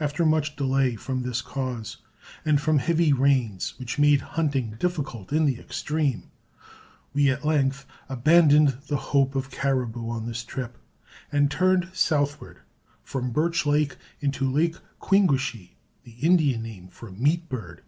After much delay from this cause and from heavy rains, which made hunting difficult in the extreme, we at length abandoned the hope of caribou on this trip, and turned southward from Birch Lake into Lake Kwingwishe the Indian name for meat bird.